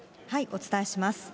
お伝えします。